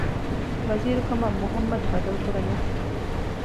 ވަޒީރުކަމަށް މުޙައްމަދު ބަދަލުކުރަނީ؟